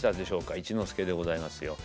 一之輔でございますよ。